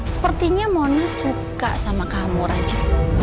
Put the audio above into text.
sepertinya mona suka sama kamu raja